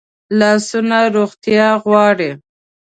لاسونه روغتیا غواړي